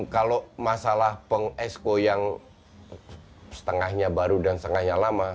kalau masalah peng esko yang setengahnya baru dan setengahnya lama